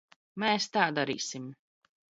Mēs tā darīsim.